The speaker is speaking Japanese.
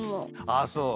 ああそう。